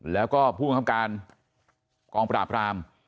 แล้วก็ผู้บังคับการกองปราบราม